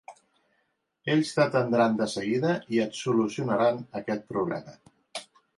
Ells t'atendran de seguida i et solucionaran aquest problema.